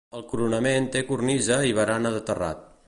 El coronament té cornisa i barana de terrat.